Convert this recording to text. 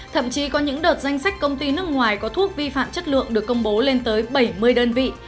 thậm chí có những đợt danh sách công ty nước ngoài có thuốc vi phạm chất lượng được công bố lên tới bảy mươi đơn vị